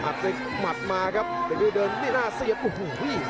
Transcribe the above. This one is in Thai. ด้วยหมัดมาครับเป็นดื้อเดินนี่หน้าเสียบโอ้โห